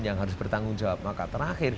yang harus bertanggung jawab maka terakhir